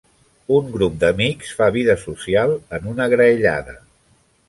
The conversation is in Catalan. Un grup d'amics fa vida social en una graellada.